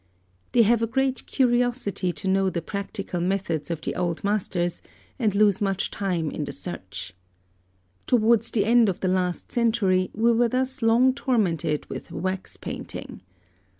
They have a great curiosity to know the practical methods of the old masters, and lose much time in the search. Towards the end of the last century we were thus long tormented with wax painting.